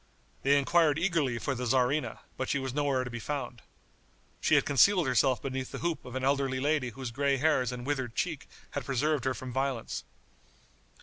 They inquired eagerly for the tzarina, but she was nowhere to be found. She had concealed herself beneath the hoop of an elderly lady whose gray hairs and withered cheek had preserved her from violence.